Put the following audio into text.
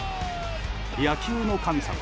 野球の神様